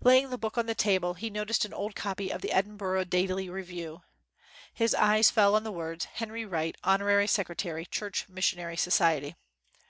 Laying the book on the table, he noticed an old copy of the Edinburgh Daily Review. His eyes fell on the words " Henry Wright, Honorary Secretarj^ Church Mis sionary Society."